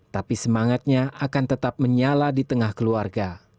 tapi semangatnya akan tetap menyala di tengah keluarga